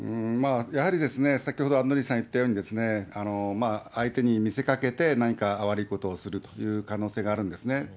やはりですね、先ほど、アンドリーさん言ったように、相手に見せかけて何か悪いことをするという可能性があるんですね。